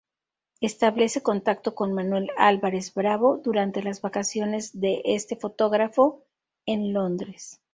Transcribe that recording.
Establece contacto con Manuel Álvarez Bravo, durante las vacaciones de este fotógrafo en Londres.